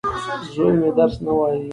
زوی مي درس نه وايي.